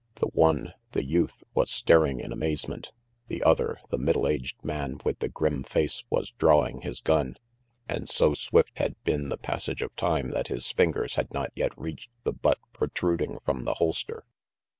The one, the youth, was staring in amazement. The other, the middle aged man with the grim face, was drawing his gun, and so swift had been the passage of time that his fingers had not yet reached the butt protruding from the holster.